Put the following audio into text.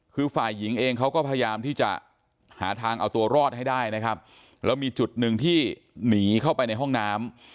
คือฝ่ายหญิงเองเขาก็พยายามที่จะหาทางเอาตัวรอดให้ได้นะครับแล้วมีจุดหนึ่งที่หนีเข้าไปในห้องน้ำ